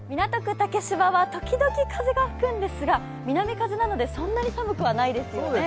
竹芝は時々風が吹くんですが南風なので、そんなに寒くはないですよね。